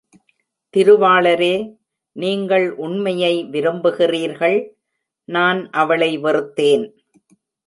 திருவாளரே, நீங்கள் உண்மையை விரும்புகிறீர்கள் - நான் அவளை வெறுத்தேன்!